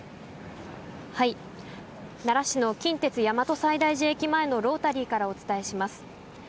奈良市の近鉄大和西大寺駅前のロータリーからお伝えします。